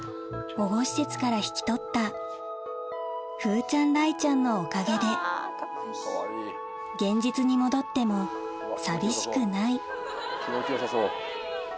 保護施設から引き取った風ちゃん雷ちゃんのおかげで現実に戻っても寂しくない気持ちよさそう。